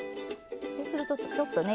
そうするとちょっとね